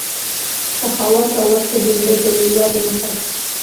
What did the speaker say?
سخاوت او ورکړه د زړه د لویوالي نښه ده.